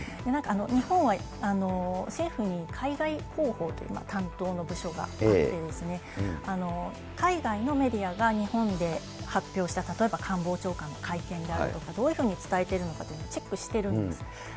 日本は政府に海外広報という担当の部署があって、海外のメディアが日本で発表した、例えば官房長官の会見であるとか、どういうふうに伝えてるのかというのをチェックしているんです。